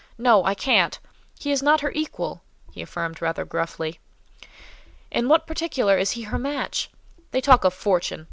No—I can't. He is not her equal," he affirmed, rather gruffly. "In what particular is he her match? They talk of fortune!